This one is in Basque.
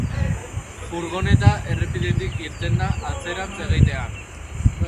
Furgoneta errepidetik irten da atzerantz egitean.